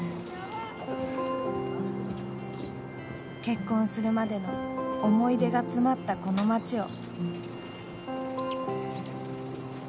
結婚するまでの思い出が詰まったこの町を。